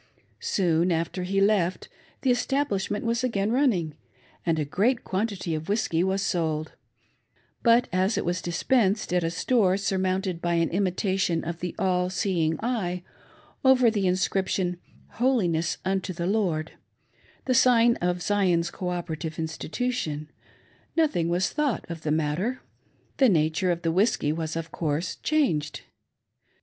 Soon after he left, the establishment was again running, and a great quantity of whiskey was sold ; but as it was dispensed at a store surmounted by an imitation of the All seeing Eye, over the inscription, " Holiness unto the Lord "— the sign of Zion's Cooperative Institution — no thing was thought of the matter. The nature of the whiskey was, of course, changed.